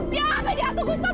jangan ambil dia tuh gustaf